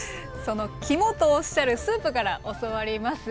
その肝とおっしゃるスープから教わります。